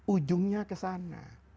ujungnya ke sana